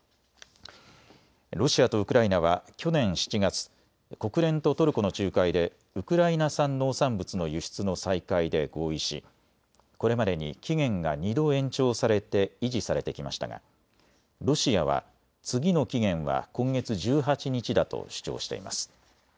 ロシアとウクライナは去年７月、国連とトルコの仲介でウクライナ産農産物の輸出の再開で合意しこれまでに期限が２度延長されて維持されてきましたがロシアは次の期限は今月１８日だと主張しています。